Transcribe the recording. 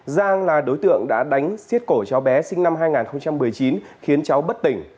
giang là đối tượng đã đánh xiết cổ cháu bé sinh năm hai nghìn một mươi chín khiến cháu bất tỉnh